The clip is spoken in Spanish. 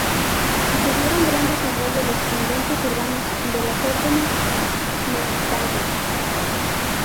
Sí tuvieron gran desarrollo los conventos urbanos de las órdenes mendicantes.